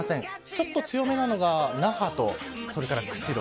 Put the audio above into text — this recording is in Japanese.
ちょっと強めなのが那覇と釧路